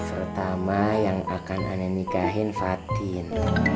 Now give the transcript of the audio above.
pertama yang akan aneh nikahin fatin